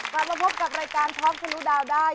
กลับมาพบกับรายการท้อมที่รู้ดาวได้